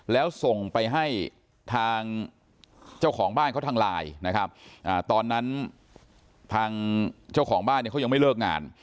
แล้วส่งไปให้ทางเจ้าของบ้านเขาทางไลน์นะครับตอนนั้นทางเจ้าของบ้านเนี่ยเขายังไม่เลิกงาน